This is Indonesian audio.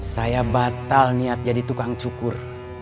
saya batal niat jadi tukang cukur